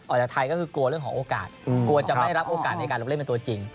ออกจากไทยก็คือกลัวเรื่องของโอกาสกลัวจะไม่รับโอกาสในการลงเล่นเป็นตัวจริง